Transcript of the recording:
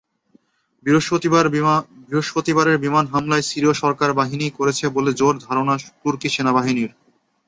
বৃহস্পতিবারের বিমান হামলা সিরীয় সরকারি বাহিনীই করেছে বলে জোর ধারণা তুর্কি সেনাবাহিনীর।